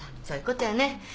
そういうことよね。